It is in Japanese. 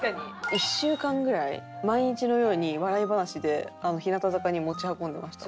１週間ぐらい毎日のように笑い話で日向坂に持ち運んでました